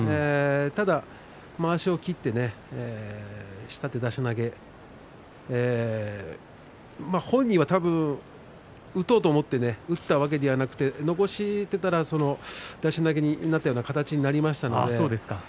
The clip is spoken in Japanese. ただまわしを切って下手出し投げ、本人は打とうと思って打ったわけじゃないんですけれど残してからの出し投げになった形になりました。